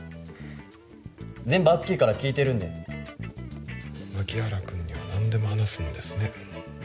全部アッキーから聞いてるんで牧原君には何でも話すんですね